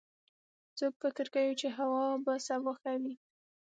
څوک فکر کوي چې هوا به سبا ښه وي